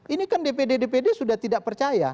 ini kan dpd dpd sudah tidak percaya